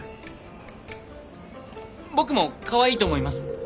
僕もかわいいと思います。